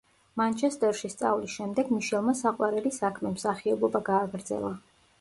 მანჩესტერში სწავლის შემდეგ, მიშელმა საყვარელი საქმე, მსახიობობა გააგრძელა.